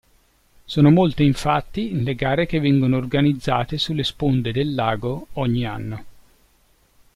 Sono molte infatti le gare che vengono organizzate sulle sponde del lago ogni anno.